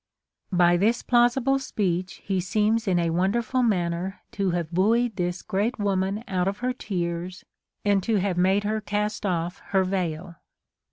By this plausible speech he seems in a wonderful manner to have buoyed this great woman out of her tears, and to have made her cast off her veil.